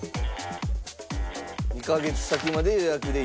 ２カ月先まで予約でいっぱい。